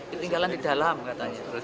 ketinggalan di dalam katanya